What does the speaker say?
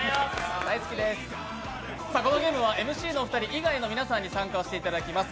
このゲームはＭＣのお二人以外の皆さんに参加していただきます。